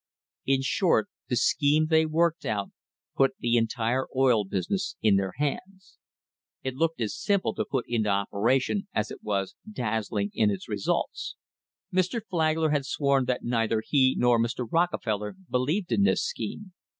In short, the scheme they worked out put the entire oil business in their hands. It looked as simple to put into operation as it was dazzling in its results. Mr. Flagler has sworn that neither he nor Mr. Rockefeller believed in this scheme.